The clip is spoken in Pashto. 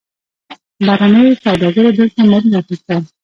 بهرنیو سوداګرو دلته مالونه اخیستل.